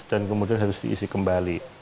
dan kemudian harus diisi kembali